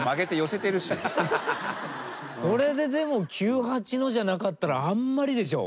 これででもキュウハチのじゃなかったらあんまりでしょ。